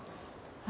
あ。